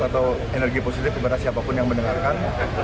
atau energi positif kepada siapapun yang mendengarkan